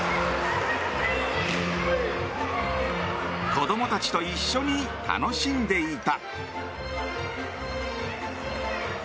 子供たちと一緒に楽しんでいた。